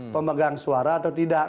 pemegang suara atau tidak